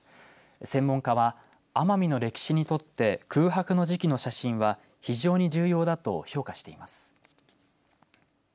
専門家は奄美の歴史にとって空白の時期の写真は非常に重要だと評価しています。